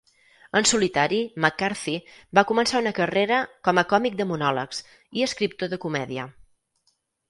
En solitari, McCarthy va començar una carrera com a còmic de monòlegs i escriptor de comèdia.